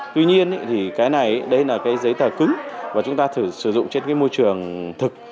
tuy nhiên thì cái này đấy là cái giấy tờ cứng và chúng ta thử sử dụng trên cái môi trường thực